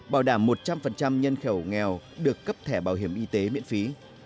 bảo đảm một trăm linh nhân khẩu nghèo được cấp thẻ bảo hiểm y tế miễn phí